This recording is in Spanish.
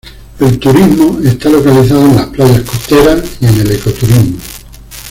El turismo está localizado en las playas costeras y en el eco-turismo.